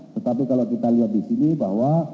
tetapi kalau kita lihat di sini bahwa